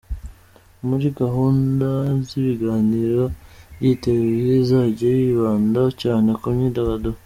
Muri gahunda z’ibiganiro by’iyi televiziyo, izajya yibanda cyane ku myidagaduro.